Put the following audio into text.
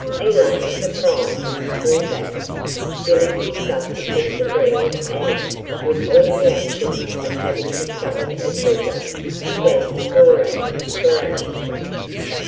Elaine, surprised, drew back. Billy picked up the piece of bread and, with all the actions of having discovered a treasure, began to gnaw at it voraciously.